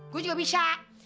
gue juga bisa